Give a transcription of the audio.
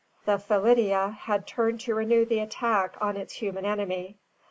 The felidea had turned to renew the attack on its human enemy.